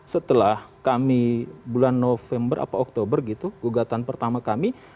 setelah kami bulan november atau oktober gitu gugatan pertama kami